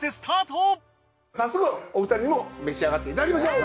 早速お二人にも召し上がっていただきましょう。